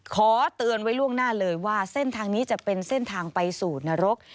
ขอเตือนไว้ล่วงหน้าเลยว่าเส้นทางนี้จะเป็นเส้นทางไปสู่นรก